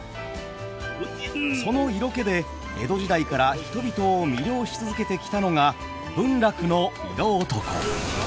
その色気で江戸時代から人々を魅了し続けてきたのが文楽の「色男」。